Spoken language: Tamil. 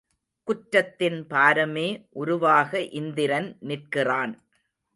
குற்றத்தின் பாரமே உருவாக இந்திரன் நிற்கிறான்.